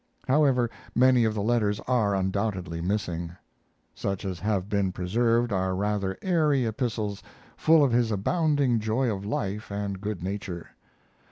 However, many of the letters are undoubtedly missing. Such as have been preserved are rather airy epistles full of his abounding joy of life and good nature.